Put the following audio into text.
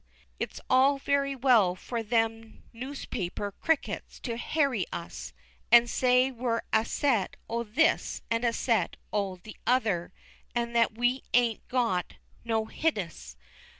It's all very well for them noospaper crickets to harry us, and say as we're a set o' this and a set o' the other, and that we ain't got no hideas.